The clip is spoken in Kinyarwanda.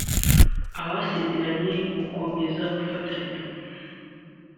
abasezeranya gukomeza gufatanya